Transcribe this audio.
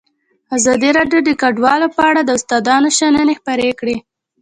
ازادي راډیو د کډوال په اړه د استادانو شننې خپرې کړي.